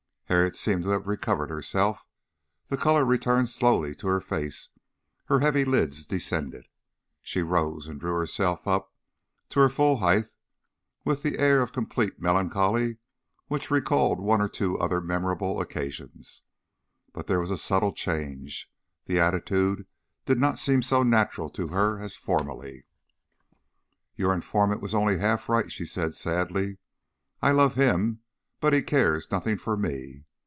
Harriet seemed to have recovered herself. The colour returned slowly to her face, her heavy lids descended. She rose and drew herself up to her full height with the air of complete melancholy which recalled one or two other memorable occasions. But there was a subtle change. The attitude did not seem so natural to her as formerly. "Your informant was only half right," she said sadly. "I love him, but he cares nothing for me.